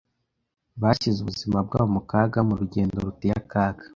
Bashyize ubuzima bwabo mu kaga mu rugendo ruteye akaga.